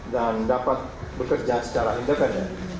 dan dapat bekerja secara indekat